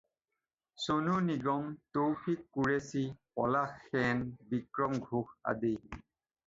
চনু নিগম, তৌফিক কুৰেশ্বি, পলাশ সেন, বিক্ৰম ঘোষ আদি।